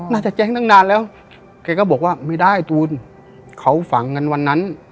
น่าจะแจ้งตั้งนานแล้วแกก็บอกว่าไม่ได้ตูนเขาฝังกันวันนั้น